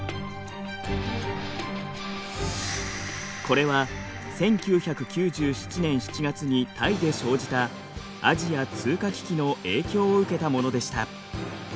これは１９９７年７月にタイで生じたアジア通貨危機の影響を受けたものでした。